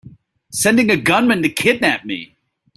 Sending a gunman to kidnap me!